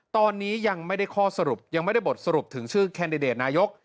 ตอนนี้ยังไม่ได้ข้อสรุปยังไม่ได้บทสรุปถึงชื่อแคนดิเดตนายก